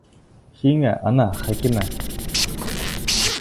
Һиңә, ана, Хәкимә!